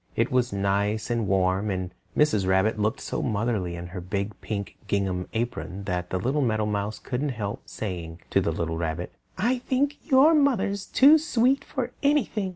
It was nice and warm, and Mrs. Rabbit looked so motherly in her big pink gingham apron that the little meadowmouse couldn't help saying to the little rabbit, "I think your mother's too sweet for anything."